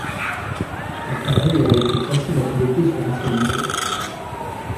L'appareil aurait été facile à piloter sur un seul moteur.